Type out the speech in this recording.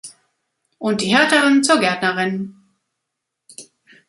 Und die Härteren zur Gärtnerin.